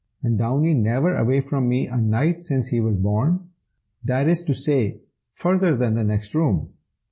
and Downy never away from me a night since he was born, that is to say, further than the next room!"